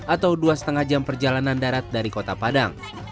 atau dua lima jam perjalanan darat dari kota padang